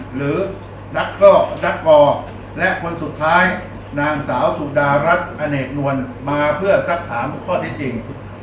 หรือนักก็นักกอและคนสุดท้ายนางสาวสุดารัฐอเนกนวลมาเพื่อสักถามข้อเท็จจริง